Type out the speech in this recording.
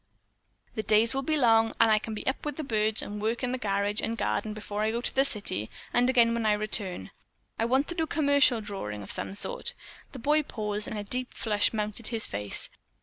The days will be long, and I can be up with the birds and work in the garage and garden before I go to the city and again when I return. I want to do commercial drawing of some sort." Then the boy paused and a deep flush mounted his face.